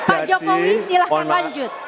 pak jokowi silahkan lanjut